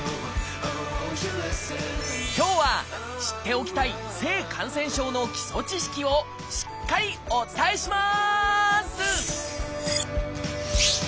今日は知っておきたい性感染症の基礎知識をしっかりお伝えします！